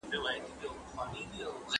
¬ لو څه زور غواړي؟ پرې که، واچوه.